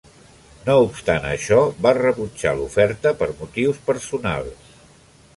No obstant això va rebutjar l'oferta per motius personals.